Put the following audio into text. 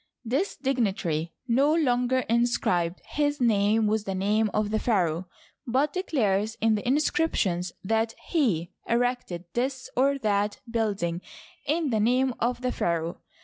This dignitary no longer inscribed his name with the name of the pharaoh, but declares in the inscriptions that he erected this or that building in the name of the pharaoh.